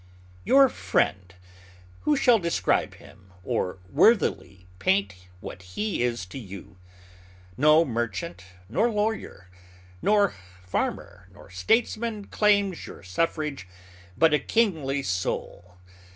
Your friend! Who shall describe him, or worthily paint what he is to you? No merchant, nor lawyer, nor farmer, nor statesman claims your suffrage, but a kingly soul.